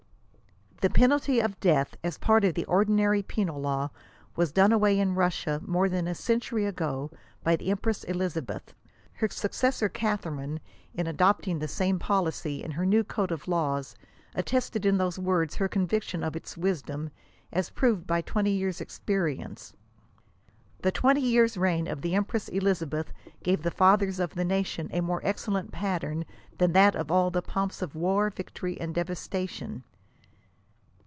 The penalty of death as part of the ordinary penal law, was done away in Russia more than a century ago, by the empress Elizabeth. Her successor Catharine in adopting the same policy, in her new code of laws, attested in these words her conviction of its wisdom, as proved by twenty years experience. " The twenty years' reign of the empress Elizabeth gave the fathers of the nation a more ex cellent pattern than tiiat of all the pomps of war, victory and devas tation."